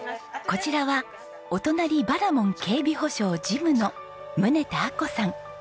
こちらはお隣ばらもん警備保障事務の宗田亜子さん。